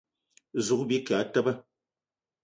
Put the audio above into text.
Zouga bike e teba.